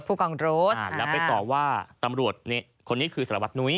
ผู้กองโรสแล้วไปต่อว่าตำรวจคนนี้คือสารวัตนุ้ย